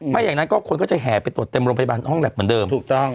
ไม่อย่างนั้นก็คนก็จะแห่ไปตรวจเต็มโรงพยาบาลห้องแล็บเหมือนเดิมถูกต้อง